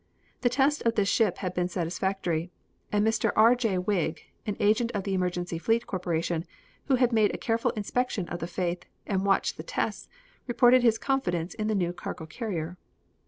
The test of this ship had been satisfactory and Mr. R. J. Wig, an agent of the Emergency Fleet Corporation, who had made a careful inspection of the Faith and watched the tests, reported his confidence in the new cargo carrier.